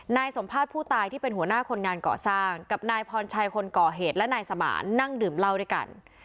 นายสมภาษณ์ผู้ตายที่เป็นหัวหน้าคนงานก่อสร้างกับนายพรชัยคนก่อเหตุและนายสมานนั่งดื่มเหล้าด้วยกัน